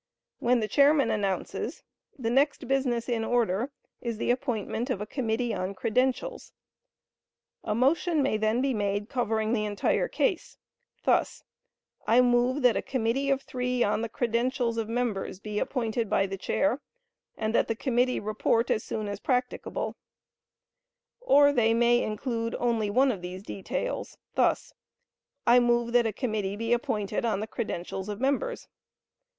when the chairman announces, "The next business in order is the appointment of a committee on credentials." A motion may then be made covering the entire case, thus: "I move that a committee of three on the credentials of members be appointed by the Chair, and that the committee report as soon as practicable;" or they may include only one of these details, thus: "I move that a committee be appointed on the credentials of members."